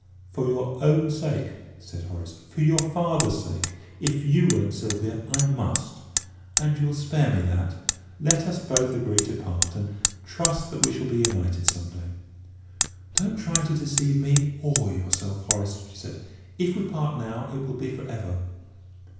"For your own sake," said Horace; "for your father's sake. If you won't, Sylvia, I must. And you will spare me that? Let us both agree to part and and trust that we shall be united some day." "Don't try to deceive me or yourself, Horace," she said; "if we part now, it will be for ever."